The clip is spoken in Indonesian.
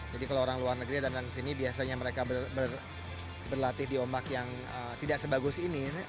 jadi kalau orang luar negeri datang ke sini biasanya mereka berlatih di ombak yang tidak sebagus ini